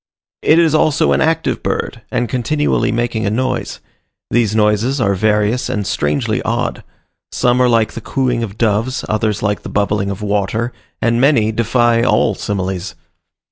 It is also an active bird, and continually making a noise: these noises are various and strangely odd; some are like the cooing of doves, others like the bubbling of water, and many defy all similes.